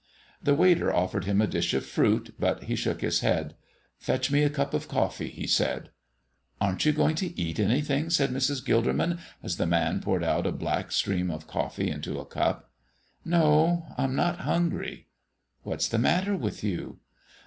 The waiter offered him a dish of fruit, but he shook his head. "Fetch me a cup of coffee," he said. "Aren't you going to eat anything?" said Mrs. Gilderman as the man poured out a black stream of coffee into a cup. "No; I'm not hungry." "What's the matter with you?"